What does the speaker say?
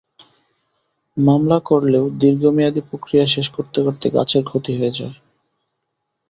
মামলা করলেও দীর্ঘমেয়াদি প্রক্রিয়া শেষ করতে করতে গাছের ক্ষতি হয়ে যায়।